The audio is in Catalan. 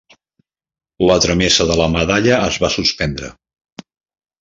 La tramesa de la medalla es va suspendre.